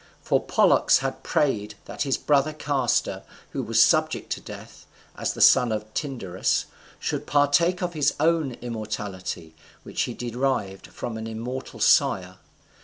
For Pollux had prayed that his brother Castor, who was subject to death, as the son of Tyndarus, should partake of his own immortality, which he derived from an immortal sire.